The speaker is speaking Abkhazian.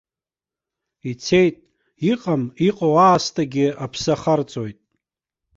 Ицеит, иҟам иҟоу аасҭагьы аԥсы ахарҵоит.